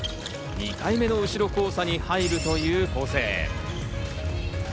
２回目の後ろ交差に入るという構成。